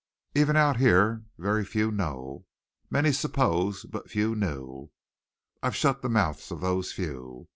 "Even out here very few know. Many supposed, but few knew. I've shut the mouths of those few.